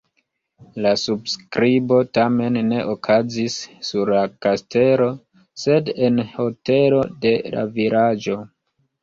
La subskribo tamen ne okazis sur la kastelo, sed en hotelo de la vilaĝo.